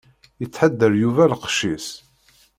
Yettḥadar Yuba lqecc-is.